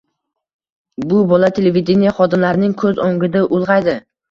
Bu bola televideniye xodimlarining ko‘z o‘ngida ulg‘aydi.